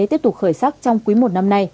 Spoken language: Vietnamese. tiếp tục khởi sắc trong cuối một năm nay